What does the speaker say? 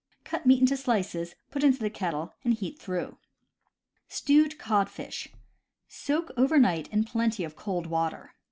Cut meat into slices, put into the kettle, and heat through. Stewed Codfish. — Soak over night in plenty of cold water.